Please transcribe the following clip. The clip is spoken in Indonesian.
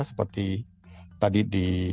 seperti tadi di